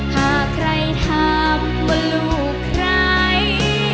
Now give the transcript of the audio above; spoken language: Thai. หากใครถามว่าลูกเรียก